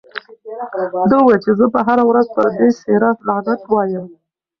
ده وویل چې زه به هره ورځ پر دې څېره لعنت وایم.